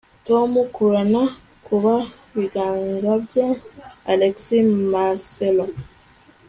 Tom Kuran ku biganza bye alexmarcelo